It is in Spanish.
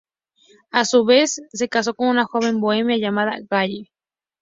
A su vez, se casó con una joven bohemia llamada Gaye.